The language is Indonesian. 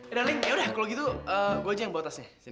eh darling ya udah kalau gitu gue aja yang bawa tasnya